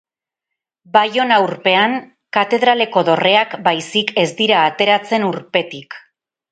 Baiona urpean, katedraleko dorreak baizik ez dira ateratzen urpetik.